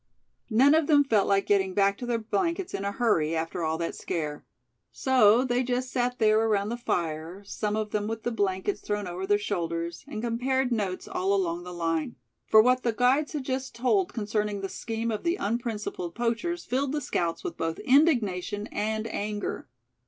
None of them felt like getting back to their blankets in a hurry, after all that scare; so they just sat there around the fire, some of them with the blankets thrown over their shoulders, and compared notes all along the line; for what the guides had just told concerning the scheme of the unprincipled poachers filled the scouts with both indignation and anger.